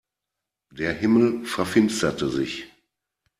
Der Himmel verfinsterte sich.